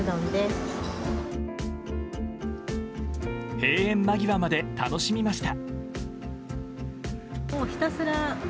閉園間際まで楽しみました。